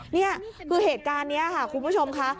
นี่คือเหตุการณ์นี้ค่ะคุณผู้ชมค่ะ